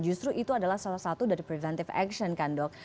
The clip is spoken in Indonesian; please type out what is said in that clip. justru itu adalah salah satu dari preventive action kan dok